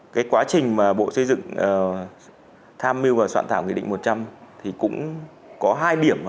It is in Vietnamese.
cái quá trình mà bộ xây dựng tham mưu và soạn thảo nghị định một trăm linh thì cũng có hai điểm